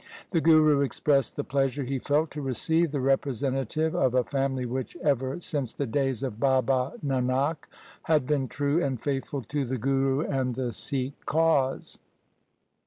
The Guru expressed the pleasure he felt to receive the representative of a family which ever since the days of Baba Nanak had been true and faithful to the Guru and the Sikh cause.